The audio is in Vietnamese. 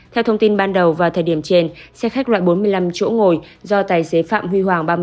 theo thông tin ban đầu vào thời điểm trên xe khách loại bốn mươi năm chỗ ngồi do tài xế phạm huy hoàng